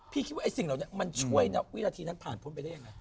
คิดว่าไอ้สิ่งเหล่านี้มันช่วยนะวินาทีนั้นผ่านพ้นไปได้ยังไง